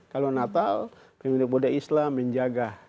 kalau natal pemuda pemuda islam menjaga